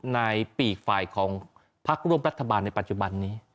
ในปีกฝ่ายของพักร่วมรัฐบาลในปัจจุบันนี้